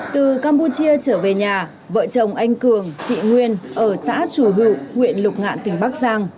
từ campuchia trở về nhà vợ chồng anh cường chị nguyên ở xã chùa hự huyện lục ngạn tỉnh bắc giang